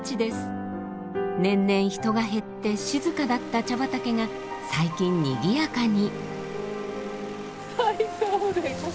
年々人が減って静かだった茶畑が最近にぎやかに。